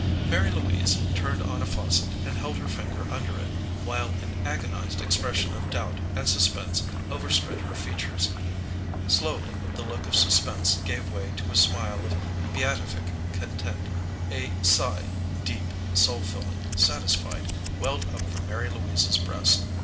Mary Louise turned on a faucet and held her finger under it, while an agonized expression of doubt and suspense overspread her features. Slowly the look of suspense gave way to a smile of beatific content. A sigh deep, soul filling, satisfied welled up from Mary Louise's breast.